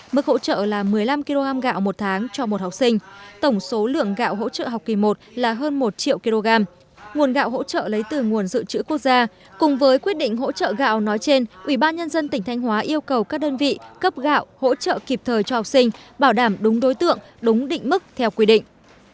mức hỗ trợ là một mươi năm kg gạo một tháng cho một học sinh tổng số lượng gạo hỗ trợ học kỳ một là hơn một triệu kg nguồn gạo hỗ trợ lấy từ nguồn dự trữ quốc gia cùng với quyết định hỗ trợ gạo nói trên ubnd tỉnh thanh hóa yêu cầu các đơn vị cấp gạo hỗ trợ kịp thời cho học sinh bảo đảm đúng đối tượng đúng định mức theo quy định